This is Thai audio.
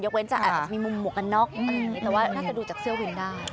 ยกเว้นจะมีมุมหมวกกันนอกอะไรแบบนี้แต่ว่าน่าจะดูจากเสื้อวินได้